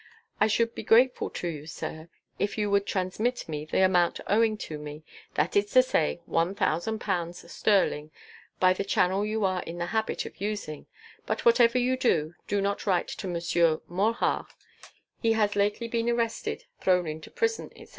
"I should be grateful to you, sir, if you would transmit me the amount owing to me, that is to say one thousand pounds sterling, by the channel you are in the habit of using; but whatever you do, do not write to Monsieur Morhardt; he has lately been arrested, thrown into prison, etc.